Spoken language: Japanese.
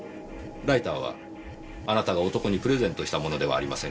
ライターはあなたが男にプレゼントしたものではありませんか？